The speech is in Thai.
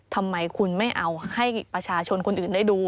ทำไมคุณไม่เอาให้ประชาชนคนอื่นได้ดู